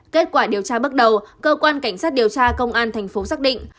kết quả điều tra bắt đầu cơ quan cảnh sát điều tra công an tp hcm xác định